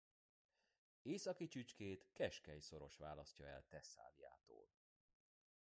Északi csücskét keskeny szoros választja el Thesszáliától.